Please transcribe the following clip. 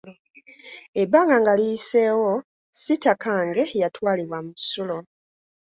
Ebbanga nga liyiseewo Sitakange yatwalibwa mu kisulo.